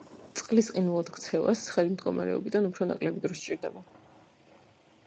წყლის ყინულად ქცევას ცხელი მდგომარეობიდან უფრო ნაკლები დრო სჭირდება.